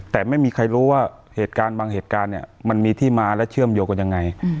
แต่ไม่มีใครรู้ว่าเหตุการณ์บางเหตุการณ์เนี่ยมันมีที่มาและเชื่อมโยงกันยังไง